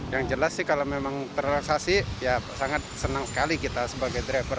yang jelas sih kalau memang terrelaksasi ya sangat senang sekali kita sebagai driver